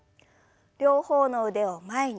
両方の腕を前に。